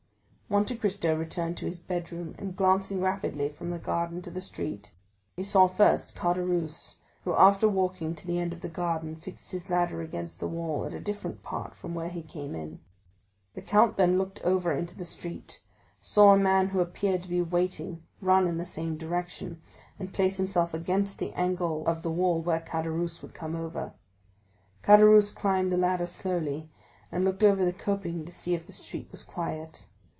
Monte Cristo returned to his bedroom, and, glancing rapidly from the garden to the street, he saw first Caderousse, who after walking to the end of the garden, fixed his ladder against the wall at a different part from where he came in. The count then looking over into the street, saw the man who appeared to be waiting run in the same direction, and place himself against the angle of the wall where Caderousse would come over. Caderousse climbed the ladder slowly, and looked over the coping to see if the street was quiet.